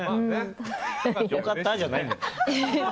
良かったじゃないのよ。